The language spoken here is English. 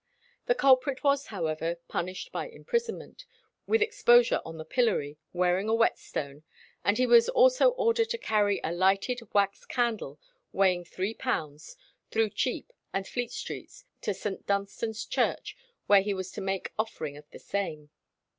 The culprit was, however, punished by imprisonment, with exposure on the pillory, wearing a whetstone, and he was also ordered to carry a lighted wax candle weighing three pounds through Chepe and Fleet Streets to St. Dunstan's Church, where he was to make offering of the same.